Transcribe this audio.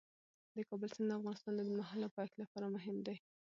د کابل سیند د افغانستان د اوږدمهاله پایښت لپاره مهم دی.